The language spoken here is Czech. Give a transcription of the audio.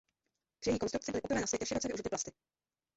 Při její konstrukci byly poprvé na světě široce využity plasty.